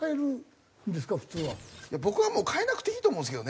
僕はもう代えなくていいと思うんですけどね。